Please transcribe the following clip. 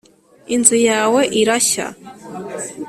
Inzu yawe irashya